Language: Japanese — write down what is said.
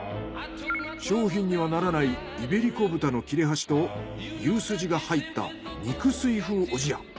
商品にはならないイベリコ豚の切れ端と牛スジが入った肉吸い風おじや。